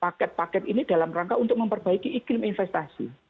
paket paket ini dalam rangka untuk memperbaiki iklim investasi